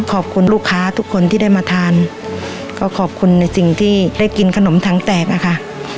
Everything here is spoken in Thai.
ขอบคุณลูกค้าทุกคนที่ได้มาทานก็ขอบคุณในสิ่งที่ได้กินขนมถังแตกอะค่ะ